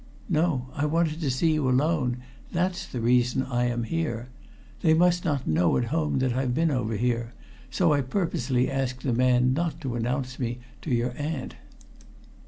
"No. I wanted to see you alone that's the reason I am here. They must not know at home that I've been over here, so I purposely asked the man not to announce me to your aunt."